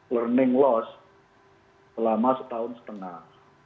learning loss selama setahun setengah